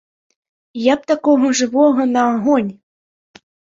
Я б такога жывога на агонь.